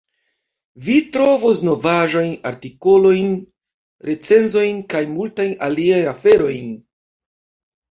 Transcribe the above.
Vi trovos novaĵojn, artikolojn, recenzojn kaj multajn aliajn aferojn.